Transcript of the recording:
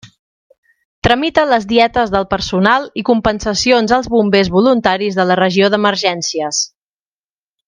Tramita les dietes del personal i compensacions als bombers voluntaris de la regió d'emergències.